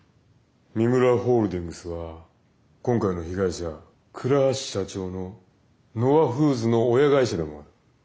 三村ホールディングスは今回の被害者倉橋社長のＮＯＡフーズの親会社でもある。